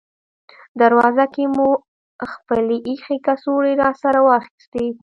دروازه کې مو خپلې اېښې کڅوړې راسره واخیستې.